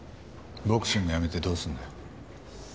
ボクシングやめてどうするんだよ？